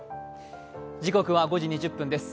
時刻は５時２０分です。